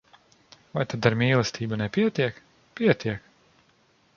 Vai tad ar mīlestību nepietiek? Pietiek!